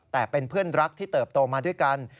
แต่เป็นเพื่อนรักที่เติบโตมาด้วยกัน